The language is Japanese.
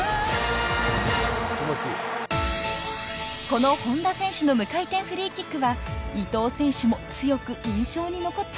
［この本田選手の無回転フリーキックは伊東選手も強く印象に残っているそうです］